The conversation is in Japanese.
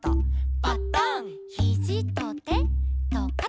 「パタン」「ヒジとてとかた」